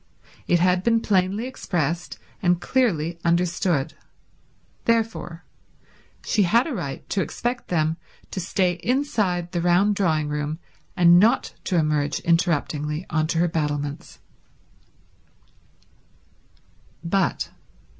It had been plainly expressed and clearly understood. Therefore she had a right to expect them to stay inside the round drawing room and not to emerge interruptingly on to her battlements.